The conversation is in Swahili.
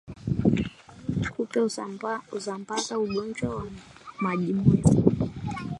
Kupe husambaza ugonjwa wa majimoyo